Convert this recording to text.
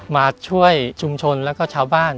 มาช่วยชุมชนแล้วก็ชาวบ้าน